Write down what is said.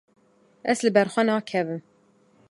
Ez li ber xwe nakevim.